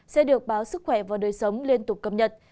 sẽ được báo sức khỏe và đời sống liên tục cập nhật